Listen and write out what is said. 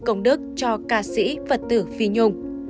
đồng đức cho ca sĩ phật tử phi nhung